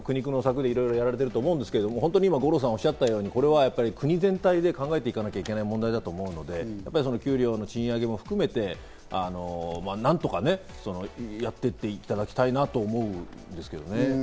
皆さん、企業の方も苦肉の策でいろいろやられていると思うんですけど、五郎さんがおっしゃったように国全体で考えていかなきゃいけない問題だと思うので、給料の賃上げも含めて何とかやっていただきたいなと思うんですけどね。